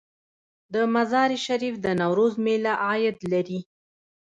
د مزار شریف د نوروز میله عاید لري؟